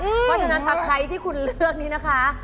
เพราะฉะนั้นตะไคร้ที่คุณเลือกนี้นะคะ